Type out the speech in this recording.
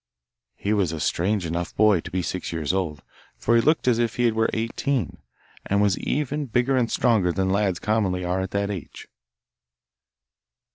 He was a strange enough boy to be six years old, for he looked as if he were eighteen, and was even bigger and stronger than lads commonly are at that age.